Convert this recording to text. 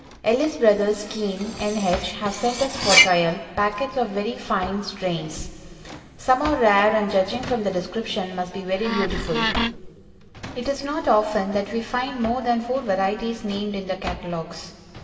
Ellis Brothers, Keene, N. H., have sent us for trial, packets of very fine strains; some are rare, and, judging from the description, must be very beautiful. It is not often that we find more than four varieties named in the catalogues.